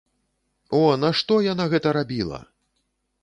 О, нашто яна гэта рабіла!